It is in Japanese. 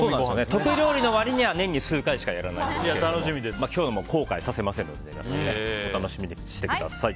得意料理な割には年に数回しかやらないんですけど今日も後悔させませんのでお楽しみにしてください。